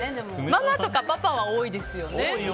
ママとかパパは多いですよね。